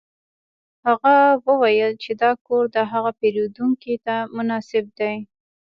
هغه وویل چې دا کور د هغه پیرودونکي ته مناسب دی